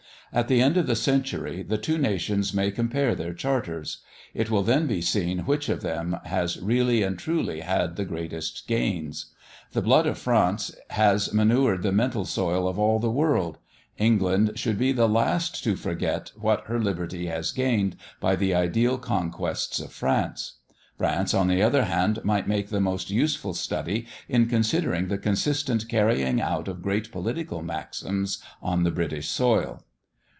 At the end of the century the two nations may compare their charters; it will then be seen which of them has really and truly had the greatest gains. The blood of France has manured the mental soil of all the world; England should be the last to forget what her liberty has gained by the ideal conquests of France. France, on the other hand, might make the most useful study in considering the consistent carrying out of great political maxims on the British soil.